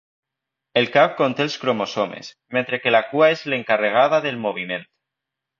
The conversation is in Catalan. El cap conté els cromosomes, mentre que la cua és l'encarregada del moviment.